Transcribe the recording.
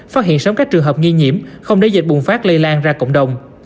phát hiện sớm các trường hợp nghi nhiễm không để dịch bùng phát lây lan ra cộng đồng